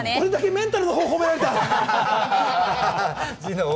メンタル褒められた！